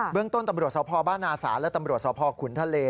เบื้องต้นตำรวจสาวพอร์บ้านาศาสตร์และตำรวจสาวพอร์ขุนทะเล